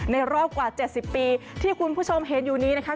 รอบกว่า๗๐ปีที่คุณผู้ชมเห็นอยู่นี้นะคะ